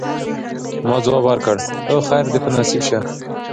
ما ځواب ورکړ: هو، خیر دي په نصیب شه.